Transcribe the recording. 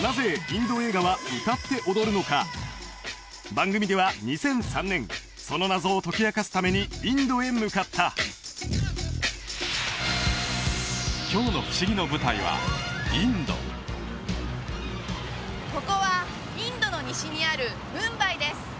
番組では２００３年その謎を解き明かすためにインドへ向かった今日のふしぎの舞台はインドここはインドの西にあるムンバイです